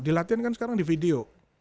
di latihan kan sekarang di video